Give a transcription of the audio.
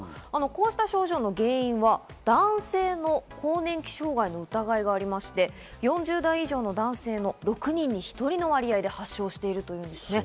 こうした症状の原因は男性の更年期障害の疑いがありまして、４０代以上の男性の６人に１人の割合で発症しているということです。